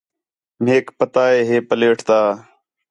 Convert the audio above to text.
میک پتہ ہے پلیٹ تا